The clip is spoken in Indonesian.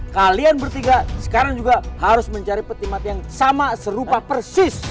kalian bertiga sekarang juga harus mencari peti mati yang sama serupa persis